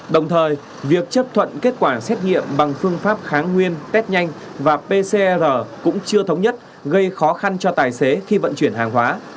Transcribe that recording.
đồng thời việc chấp thuận kết quả xét nghiệm bằng phương pháp kháng nguyên test nhanh và pcr cũng chưa thống nhất gây khó khăn cho tài xế khi vận chuyển hàng hóa